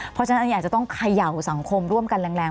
เพราะฉะนั้นอันนี้อาจจะต้องเขย่าสังคมร่วมกันแรง